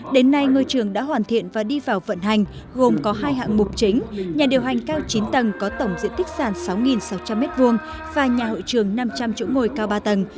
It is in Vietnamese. đến nay ngôi trường đã hoàn thiện và đi vào vận hành gồm có hai hạng mục chính nhà điều hành cao chín tầng có tổng diện tích sàn sáu sáu trăm linh m hai và nhà hội trường năm trăm linh chỗ ngồi cao ba tầng